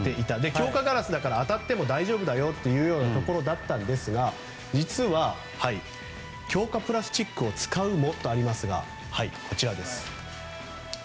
強化ガラスだから当たっても大丈夫なところだったんですが実は、強化プラスチックを使うもとありますが。